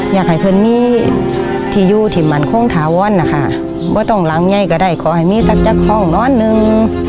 อยากให้เพื่อนมีที่อยู่ที่มันคงถาวรนะคะว่าต้องหลังไงก็ได้ขอให้มีสักจากห้องนอนหนึ่ง